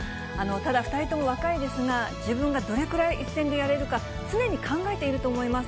ただ、２人とも若いですが、自分がどれくらい一線でやれるか、常に考えていると思います。